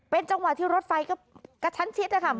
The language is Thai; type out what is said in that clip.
เป็นจังหวะที่รถไฟกระชั้นชิดเลยค่ะ